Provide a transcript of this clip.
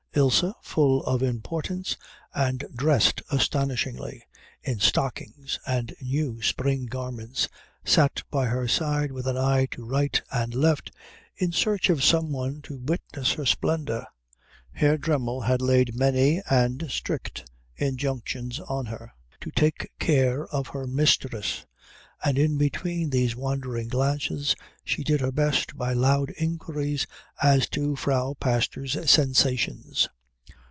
Ilse, full of importance, and dressed astonishingly in stockings and new spring garments, sat by her side with an eye to right and left in search of some one to witness her splendour. Herr Dremmel had laid many and strict injunctions on her to take care of her mistress, and in between these wandering glances she did her best by loud inquiries as to Frau Pastor's sensations.